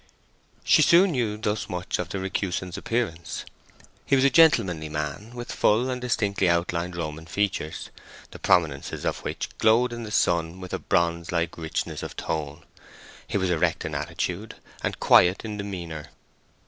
She soon knew thus much of the recusant's appearance. He was a gentlemanly man, with full and distinctly outlined Roman features, the prominences of which glowed in the sun with a bronze like richness of tone. He was erect in attitude, and quiet in demeanour.